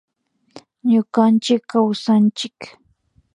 Ñukanchik kawsanchik